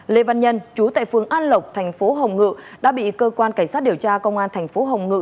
lê văn nhân chú tại phường an lộc thành phố hồng ngự đã bị cơ quan cảnh sát điều tra công an thành phố hồng ngự